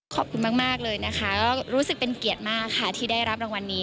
ขอบคุณมากเลยนะคะก็รู้สึกเป็นเกียรติมากค่ะที่ได้รับรางวัลนี้